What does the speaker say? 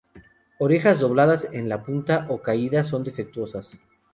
Orejas dobladas en la punta o caídas son defectuosas.